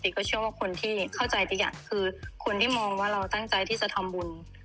ก็เชื่อว่าคนที่เข้าใจตัวอย่างคือคนที่มองว่าเราตั้งใจที่จะทำบุญ